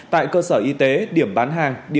tại cơ sở y tế điểm bán hàng